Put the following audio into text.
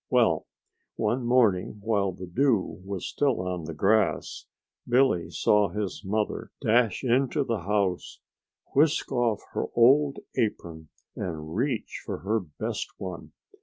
Well, one morning while the dew was still on the grass Billy saw his mother dash into the house, whisk off her old apron and reach for her best one.